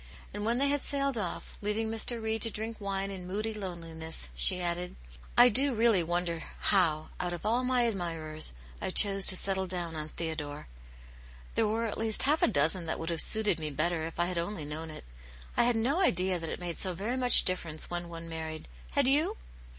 And when they had sailed off, leaving Mr. Reed to drink wine in /woody loneliness, she added, "I do really wonder. how, out of all my admirers,! c\tf>^^ Vji ^^vAs; ^'^^nxji Aunt Janets Hero. 165 on Theodore. There were at least half a dozen that would have suited me better, if I had only known It. I had no idea that it made 30 very much difTerence when one married ; had you